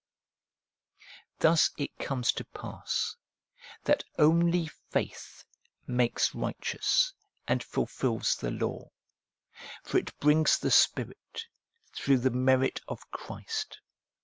Thus it comes to pass, that only faith makes righteous, and fulfils the law, for it brings the Spirit, through the merit of Christ.